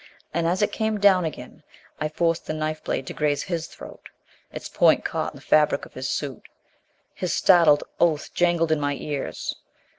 And as it came down again, I forced the knife blade to graze his throat. Its point caught in the fabric of his suit. His startled oath jangled in my ears.